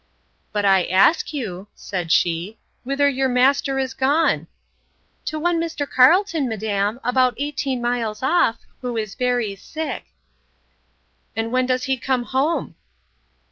But I ask you, said she, Whither your master is gone? To one Mr. Carlton, madam, about eighteen miles off, who is very sick. And when does he come home?